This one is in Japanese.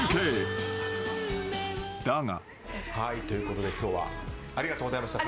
［だが］